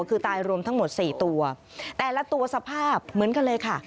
คือตายรวมทั้งหมด๔ตัวแต่ละตัวสภาพเหมือนกันเลยค่ะ